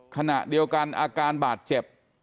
ขณะเดียวกันอาการบาดเจ็บ